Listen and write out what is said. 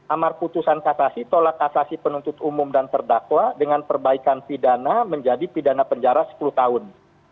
amar putusan kasasi tolak kasasi penuntut umum dan terdakwa dengan perbaikan pidana menjadi pidana penjara sepuluh tahun